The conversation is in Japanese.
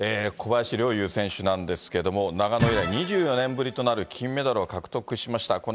小林陵侑選手なんですけれども、長野以来、２４年ぶりとなる金メダルを獲得しました。